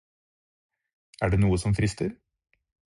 Er det noe som frister?